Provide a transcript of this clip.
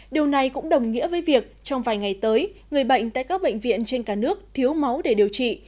điều này cũng đồng nghĩa với việc trong vài ngày tới người bệnh tại các bệnh viện trên cả nước thiếu máu để điều trị